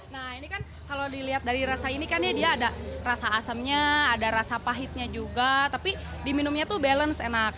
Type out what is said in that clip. nah ini kan kalau dilihat dari rasa ini kan ya dia ada rasa asamnya ada rasa pahitnya juga tapi diminumnya tuh balance enak